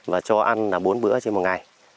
và cho ăn là bốn bữa trên một ngày